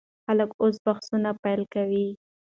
خلک اوس بحثونه پیل کوي.